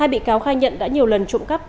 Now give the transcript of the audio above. hai bị cáo khai nhận đã nhiều lần trộm cắp